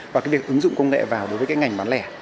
và cái việc ứng dụng công nghệ vào đối với cái ngành bán lẻ